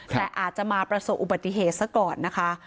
แต่อาจจะมาประสบอุบัติเหตุซะก่อนนะคะ